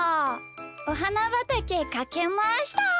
おはなばたけかけました！